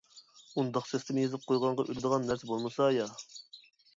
ئۇنداق سىستېما يېزىپ قويغانغا ئۆلىدىغان نەرسە بولمىسا يا.